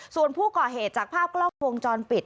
ส่วนผู้ก่อเหตุจากภาพกล้องวงจรปิด